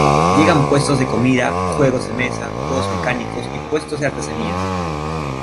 Llegan puestos de comida, juegos de mesa, juegos mecánicos y puestos de artesanías.